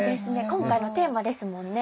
今回のテーマですもんね。